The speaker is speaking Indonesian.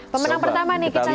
pemenang pertama nih kita lihat